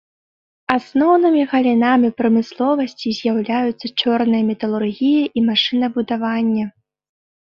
Асноўнымі галінамі прамысловасці з'яўляюцца чорная металургія і машынабудаванне.